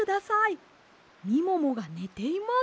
みももがねています。